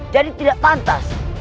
jadi tidak pantas